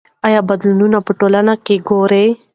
آیا بدلونونه په ټولنه کې ګورئ؟